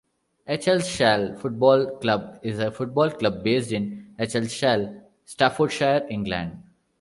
Eccleshall Football Club is a football club based in Eccleshall, Staffordshire, England.